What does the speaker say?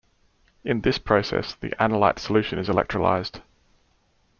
In this process, the analyte solution is electrolyzed.